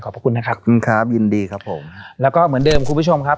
ขอบคุณนะครับขอบคุณครับยินดีครับผมแล้วก็เหมือนเดิมคุณผู้ชมครับ